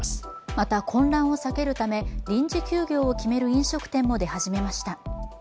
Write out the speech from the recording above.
また、混乱を避けるため、臨時休業を決める飲食店も出始めました。